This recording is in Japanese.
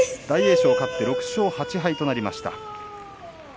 大栄翔、勝って６勝８敗となりました。